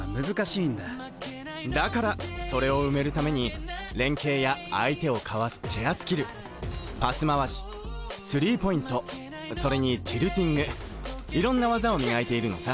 だからそれを埋めるために連携や相手をかわすチェアスキルパス回しスリーポイントそれにティルティングいろんな技を磨いているのさ。